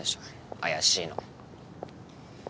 怪しいの。